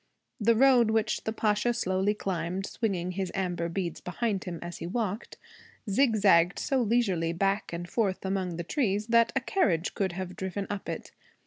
The road which the Pasha slowly climbed, swinging his amber beads behind him as he walked, zigzagged so leisurely back and forth among the trees that a carriage could have driven up it.